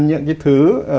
những cái thứ